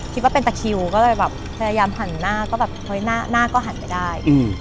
คิดว่าเป็นตะคิวก็เลยแบบพยายามหันหน้าก็แบบเฮ้ยหน้าก็หันไปได้